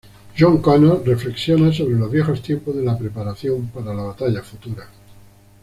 John Connor reflexiona sobre los viejos tiempos de la preparación para la batalla futura.